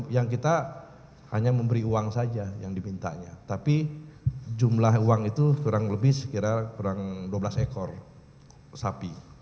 yang kita hanya memberi uang saja yang dimintanya tapi jumlah uang itu kurang lebih sekitar kurang dua belas ekor sapi